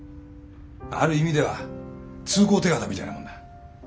ある意味では通行手形みたいなもんだ。